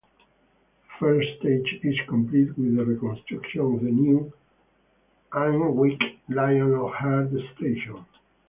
The first stage is complete with the construction of the new "Alnwick Lionheart" Station.